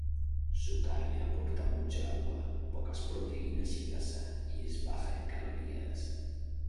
Su carne aporta mucha agua, pocas proteínas y grasa, y es baja en calorías.